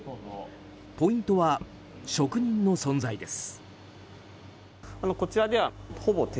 ポイントは職人の存在です。